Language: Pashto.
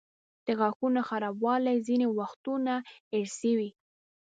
د غاښونو خرابوالی ځینې وختونه ارثي وي.